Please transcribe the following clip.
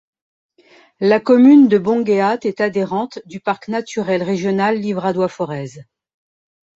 La commune de Bongheat est adhérente du parc naturel régional Livradois-Forez.